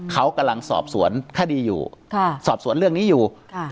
เขากำลังสอบสวนคดีอยู่สอบสวนเรื่องนี้อยู่